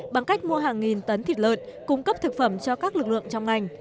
bằng cách mua hàng nghìn tấn thịt lợn cung cấp thực phẩm cho các lực lượng trong ngành